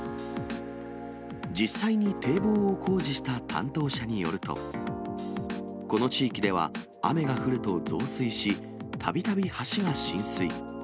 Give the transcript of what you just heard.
実際に堤防を工事した担当者によると、この地域では、雨が降ると増水し、たびたび橋が浸水。